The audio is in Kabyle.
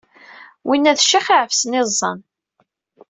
Winna d ccix iɛefsen iẓẓan!